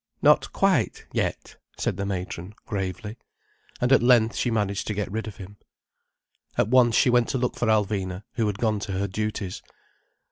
"Not quite, yet," said the matron gravely. And at length she managed to get rid of him. At once she went to look for Alvina, who had gone to her duties.